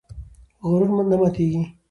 غرور نه ماتېږي.